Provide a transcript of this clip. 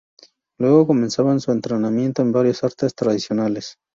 Luego comenzaban su entrenamiento en varias artes tradicionales.